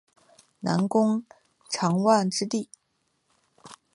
南宫长万之弟。